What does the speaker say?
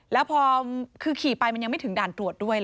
แล้วพอขี้ไปมันยังไม่ถึงด่านถุทธิ์ด้วย